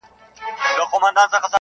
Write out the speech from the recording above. • یاران به ناڅي نغمې به پاڅي -